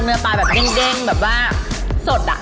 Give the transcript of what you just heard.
เนื้อปลาแบบเด้งแบบว่าสดอะ